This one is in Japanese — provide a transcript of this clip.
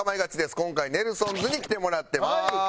今回ネルソンズに来てもらってます。